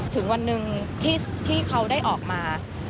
ถึงวันหนึ่งที่เขาได้ออกมา